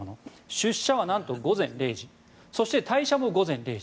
出社は、なんと午前０時そして退社も午前０時。